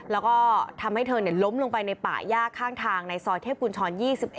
แล้วก็ทำให้เธอล้มลงไปในป่าย่าข้างทางในซอยเทพกุญชร๒๑